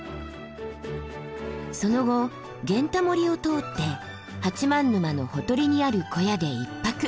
その後源太森を通って八幡沼のほとりにある小屋で１泊。